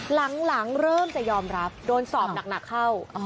หลังเริ่มจะยอมรับโดนสอบหนักเข้า